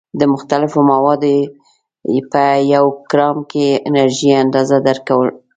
د مختلفو موادو په یو ګرام کې انرژي اندازه درکړل شوې.